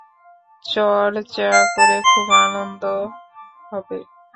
চর্চা করে খুব আনন্দ হবে।